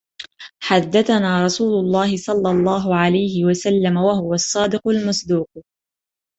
حدَّثنا رسولُ اللهِ صَلَّى اللهُ عَلَيْهِ وَسَلَّمَ، وهو الصَّادِقُ المصْدُوقُ: